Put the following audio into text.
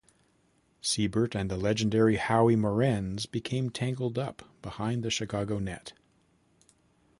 Seibert and the legendary Howie Morenz became tangled up behind the Chicago net.